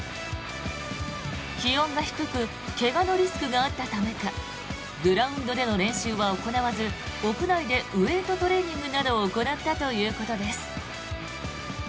気温が低く怪我のリスクがあったためかグラウンドでの練習は行わず屋内でウェートトレーニングなどを行ったということです。